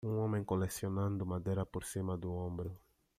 Um homem colecionando madeira por cima do ombro.